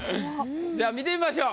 じゃあ見てみましょう。